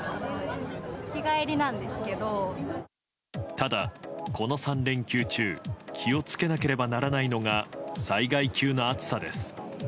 ただ、この３連休中気を付けなければならないのが災害級の暑さです。